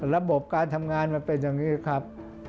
ระบบการทำงานมันเป็นอย่างนี้ครับ